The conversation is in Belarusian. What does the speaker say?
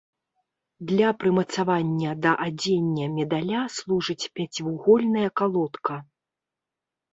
Для прымацавання да адзення медаля служыць пяцівугольная калодка.